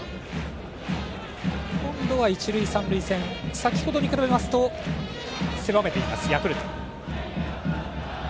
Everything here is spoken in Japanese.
今度は一塁三塁線先程に比べますと狭めていたヤクルト。